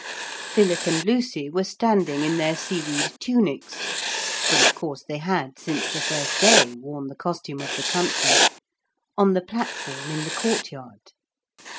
Philip and Lucy were standing in their seaweed tunics, for of course they had, since the first day, worn the costume of the country, on the platform in the courtyard.